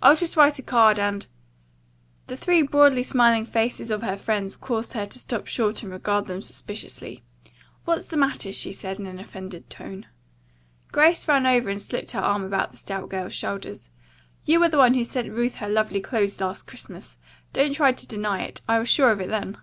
I'll just write a card, and " The three broadly smiling faces of her friends caused her to stop short and regard them suspiciously. "What's the matter?" she said in an offended tone. Grace ran over and slipped her arm about the stout girl's shoulders. "You are the one who sent Ruth her lovely clothes last Christmas. Don't try to deny it. I was sure of it then."